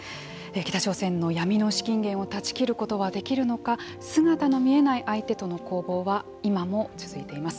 北朝鮮の闇の資金源を断ち切ることはできるのか姿の見えない相手との攻防は今も続いています。